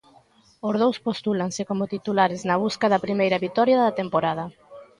Os dous postúlanse como titulares na busca da primeira vitoria da temporada.